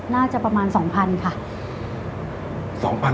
น่าจะประมาณ๒๐๐๐ค่ะ